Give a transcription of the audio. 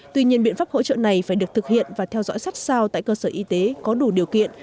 tuy nhiên biện pháp hỗ trợ này phải được thực hiện và theo dõi sát sao tại cơ sở y tế có đủ điều kiện